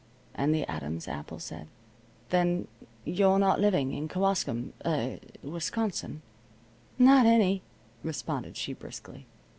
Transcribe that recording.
And the Adam's Apple said: "Then you're not living in Kewaskum er Wisconsin?" "Not any," responded she, briskly.